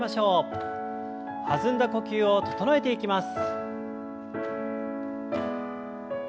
弾んだ呼吸を整えていきます。